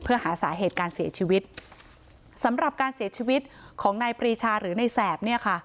เพื่อหาสาเหตุการเสียชีวิตสำหรับการเสียชีวิตของนายปรีชาหรือในแสบเนี่ยค่ะ